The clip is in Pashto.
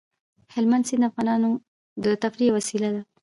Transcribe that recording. هلمند سیند د افغانانو د تفریح یوه وسیله ده.